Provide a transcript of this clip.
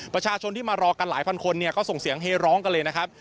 ประชาชนที่มารอกันหลายพันคนเนี่ยก็ส่งเสียงเฮร้องกันเลยนะครับ